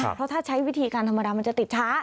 เพราะถ้าใช้วิธีการธรรมดามันจะติดช้า